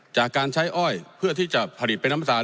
จากการใช้อ้อยเพื่อที่จะผลิตเป็นน้ำตาล